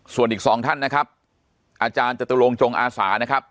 ส่วนอีกสองท่านนะครับอาจารย์จตุลงจงอาสานะครับ